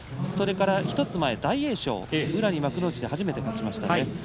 それから１つ前の大栄翔宇良に幕内で初めて勝ちました。